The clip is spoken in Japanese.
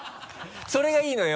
それがいいのよ